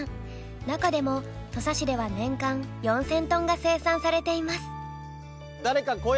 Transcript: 中でも土佐市では年間４，０００トンが生産されています。